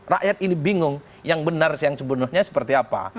rakyat ini bingung yang benar yang sepenuhnya seperti apa